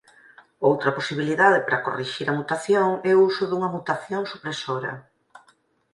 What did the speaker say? Outra posibilidade para corrixir a mutación é o uso dunha mutación supresora.